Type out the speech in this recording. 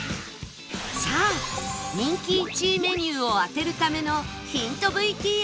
さあ人気１位メニューを当てるためのヒント ＶＴＲ